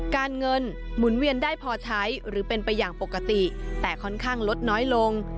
การเงินหมุนเวียนได้พอใช้หรือเป็นไปอย่างปกติแต่ค่อนข้างลดน้อยลง